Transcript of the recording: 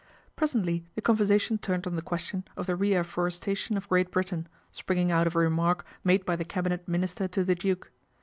Presently the conversation turned on the ques tion of the re afforestation of Great Britain springing out of a remark made by the Cabine Minister to the Duke.